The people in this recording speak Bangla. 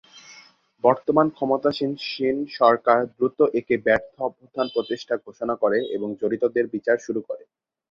বর্তমান ক্ষমতাসীন সরকার দ্রুত একে ব্যর্থ অভ্যুত্থান প্রচেষ্টা ঘোষণা করে এবং জড়িতদের বিচার শুরু করে।